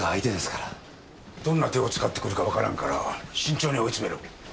どんな手を使ってくるかわからんから慎重に追い詰めろ。